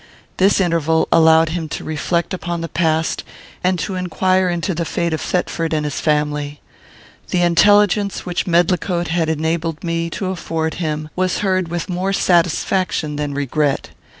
This interval allowed him to reflect upon the past, and to inquire into the fate of Thetford and his family. The intelligence which Medlicote had enabled me to afford him was heard with more satisfaction than regret.